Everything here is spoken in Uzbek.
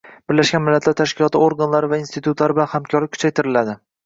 Birlashgan Millatlar Tashkiloti organlari va institutlari bilan hamkorlik kuchaytiriladi.